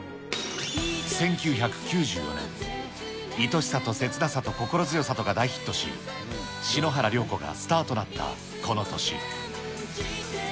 １９９４年、恋しさとせつなさと心強さとが大ヒットし、篠原涼子がスターとなったこの年。